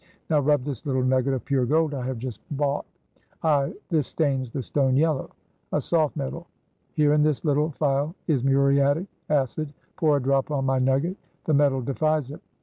Now rub this little nugget of pure gold I have just bought." "Ay! this stains the stone yellow." "A soft metal. Here in this little phial is muriatic acid. Pour a drop on my nugget. The metal defies it.